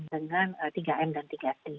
dengan tiga m dan tiga t